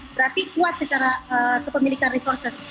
berarti kuat secara kepemilikan resources